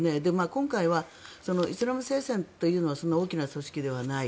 今回はイスラム聖戦というのはそんなに大きな組織ではない。